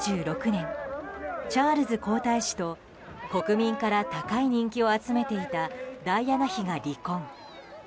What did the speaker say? １９９６年チャールズ皇太子と国民から高い人気を集めていたダイアナ妃が離婚。